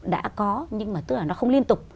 đã có nhưng mà tức là nó không liên tục